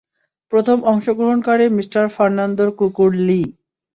প্রথম অংশগ্রহণকারী মিস্টার ফার্নান্দোর কুকুরঃ লি।